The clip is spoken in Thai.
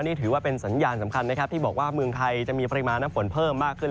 นี่ถือว่าเป็นสัญญาณสำคัญนะครับที่บอกว่าเมืองไทยจะมีปริมาณน้ำฝนเพิ่มมากขึ้น